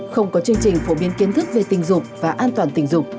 không có chương trình phổ biến kiến thức về tình dục và an toàn tình dục